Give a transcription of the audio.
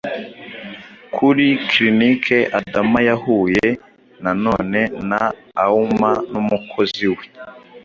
kuri clinic adama yahuye nanone na auma n'umukozi we